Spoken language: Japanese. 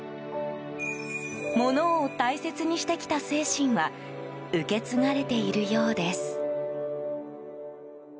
物を大切にしてきた精神は受け継がれているようです。